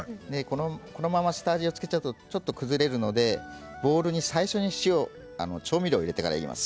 このまま下味を付けちゃうとちょっと崩れるのでボウルに最初に塩調味料を入れてからにします。